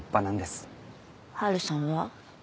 春さんは？